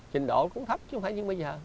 trình độ cũng thấp chứ không phải như bây giờ